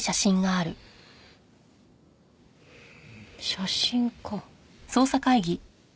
写真か。